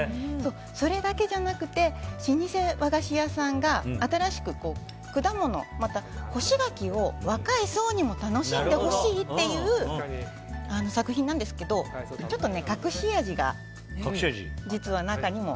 それだけじゃなくて老舗和菓子屋さんが新しく果物、干し柿を若い層にも楽しんでほしいという作品なんですけどちょっと隠し味が実は中にも。